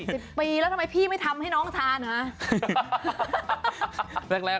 สิบปีแล้วทำไมพี่ไม่ทำให้น้องทานเหรอ